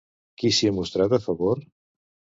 Qui s'hi ha mostrat a favor?